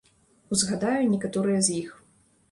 Узгадаю некаторыя з іх.